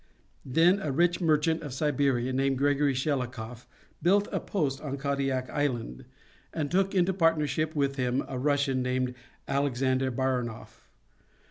Then a rich merchant of Siberia named Gregory Shelikoff built a post on Kadiak Island, and took into partnership with him a Russian named Alexander Baranof.